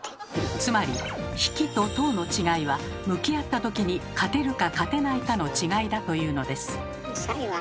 つまり「匹」と「頭」の違いは向き合った時に勝てるか勝てないかの違いだというのです。